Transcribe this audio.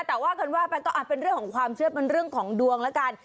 แต่ว่ากันว่าไปก็เป็นเรื่องของความเชื่อเป็นเรื่องของดวงแล้วกัน